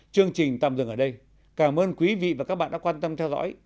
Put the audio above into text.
chương trình tạm dừng ở đây cảm ơn quý vị và các bạn đã quan tâm theo dõi